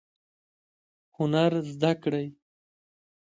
هنر زده کړئ